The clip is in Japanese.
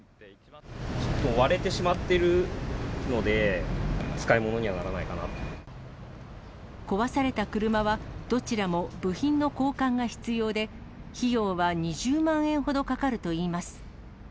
ちょっと割れてしまっている壊された車は、どちらも部品の交換が必要で、費用は２０万円ほどかかるといいます。